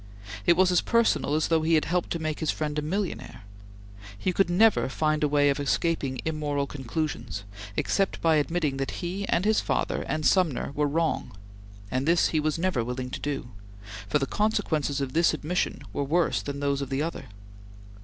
It was as personal as though he had helped to make his friend a millionaire. He could never find a way of escaping immoral conclusions, except by admitting that he and his father and Sumner were wrong, and this he was never willing to do, for the consequences of this admission were worse than those of the other.